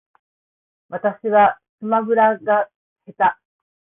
私はスマブラが下手